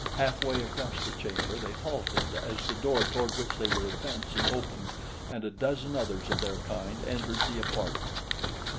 Halfway across the chamber they halted as the door toward which they were advancing opened and a dozen others of their kind entered the apartment.